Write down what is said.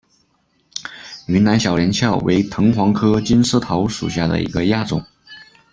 云南小连翘为藤黄科金丝桃属下的一个亚种。